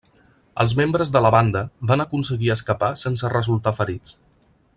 Els membres de la banda van aconseguir escapar sense resultar ferits.